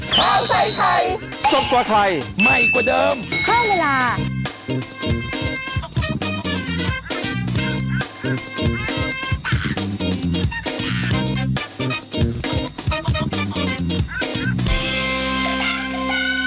โปรดติดตามตอนต่อไป